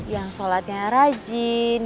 yang sholatnya rajin